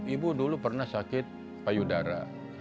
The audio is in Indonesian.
ibu dulu pernah sakit payudara